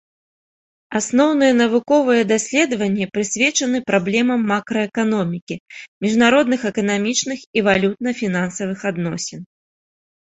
Асноўныя навуковыя даследаванні прысвечаны праблемам макраэканомікі, міжнародных эканамічных і валютна-фінансавых адносін.